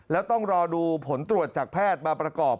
แล้วต้องรอดูผลตรวจจากแพทย์มาประกอบ